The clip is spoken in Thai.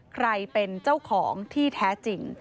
ใครเป็นเจ้าของที่แท้จริง